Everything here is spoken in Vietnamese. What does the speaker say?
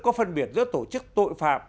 có phân biệt giữa tổ chức tội phạm